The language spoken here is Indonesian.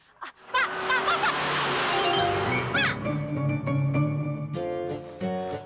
pak pak pak pak